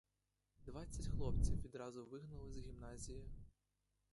Двадцять хлопців відразу вигнали з гімназії!